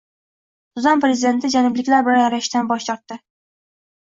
Sudan prezidenti janubliklar bilan yarashishdan bosh tortdi